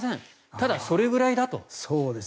ただ、それぐらいだと。